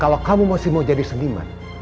kalau kamu masih mau jadi seniman